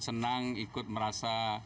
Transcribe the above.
senang ikut merasa